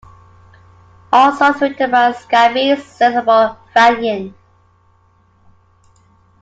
All songs written by Scabies, Sensible, Vanian.